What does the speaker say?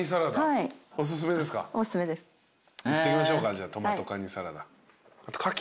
いってみましょうかトマトかにサラダ。